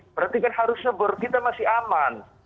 berarti kan harusnya bor kita masih aman